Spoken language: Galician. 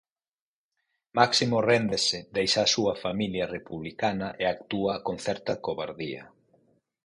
Máximo réndese, deixa a súa familia republicana e actúa con certa covardía.